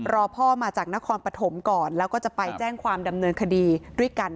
รอพ่อมาจากนครปฐมก่อนแล้วก็จะไปแจ้งความดำเนินคดีด้วยกัน